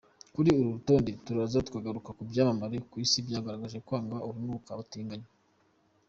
Kuri uru rutonde turaza kugaruka ku byamamare ku isi byagaragaje kwanga urunuka abatinganyi:.